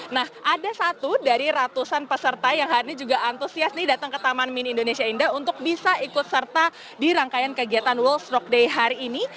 nah ada satu dari ratusan peserta yang hari ini juga antusias nih datang ke taman mini indonesia indah untuk bisa ikut serta di rangkaian kegiatan world stroke day hari ini